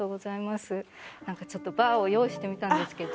何かちょっとバーを用意してみたんですけど。